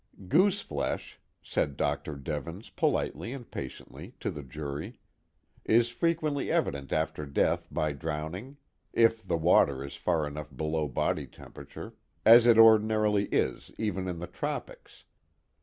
Gooseflesh," said Dr. Devens politely and patiently to the jury, "is frequently evident after death by drowning, if the water is far enough below body temperature, as it ordinarily is even in the tropics.